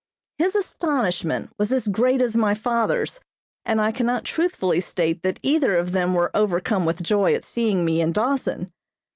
His astonishment was as great as my father's, and I cannot truthfully state that either of them were overcome with joy at seeing me in Dawson.